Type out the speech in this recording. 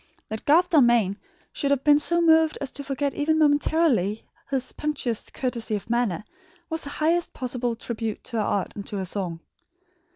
That Garth Dalmain should have been so moved as to forget even momentarily his punctilious courtesy of manner, was the highest possible tribute to her art and to her song.